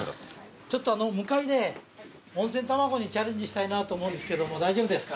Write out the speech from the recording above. ちょっと向かいで温泉卵にチャレンジしたいと思うんですけども大丈夫ですか？